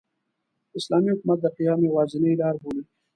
د اسلامي حکومت د قیام یوازینۍ لاربولي.